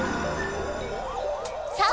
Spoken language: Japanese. さあ！